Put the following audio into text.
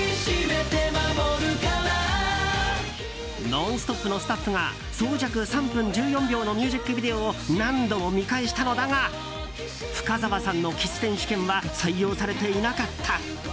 「ノンストップ！」のスタッフが、総尺３分１４秒のミュージックビデオを何度も見返したのだが深澤さんのキス選手権は採用されていなかった。